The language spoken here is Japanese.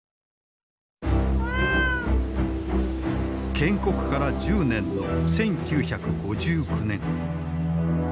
建国から１０年の１９５９年。